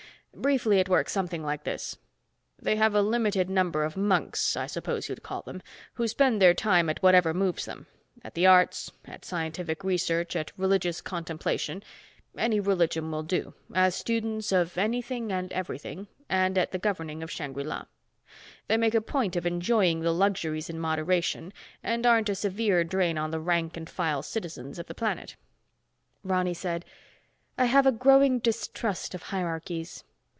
Briefly, it works something like this. They have a limited number of monks—I suppose you'd call them—who spend their time at whatever moves them. At the arts, at scientific research, at religious contemplation—any religion will do—as students of anything and everything, and at the governing of Shangri La. They make a point of enjoying the luxuries in moderation and aren't a severe drain on the rank and file citizens of the planet." Ronny said, "I have a growing distrust of hierarchies.